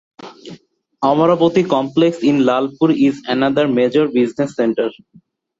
Amravati Complex in Lalpur is another major business center.